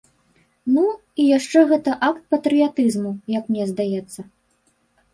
Ну, і яшчэ гэта акт патрыятызму, як мне здаецца.